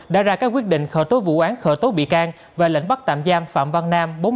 đã ra các quyết định khởi tố vụ án khởi tố bị can và lệnh bắt tạm giam phạm văn nam